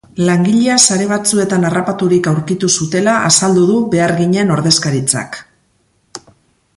Langilea sare batzuetan harrapaturik aurkitu zutela azaldu du beharginen ordezkaritzak.